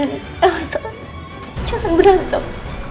andin elsa jangan berantem